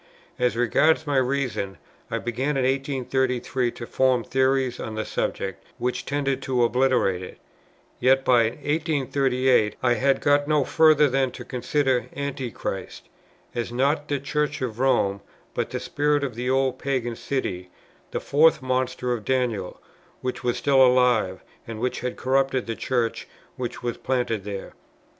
As regards my reason, I began in 1833 to form theories on the subject, which tended to obliterate it; yet by 1838 I had got no further than to consider Antichrist, as not the Church of Rome, but the spirit of the old pagan city, the fourth monster of Daniel, which was still alive, and which had corrupted the Church which was planted there.